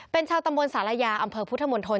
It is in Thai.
เป็นเฉาะตำรวจศาลายาอำเภอพุทธมณฑล